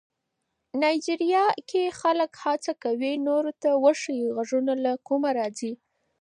نایجیریا کې خلک هڅه کوي نورو ته وښيي غږونه له کومه راځي.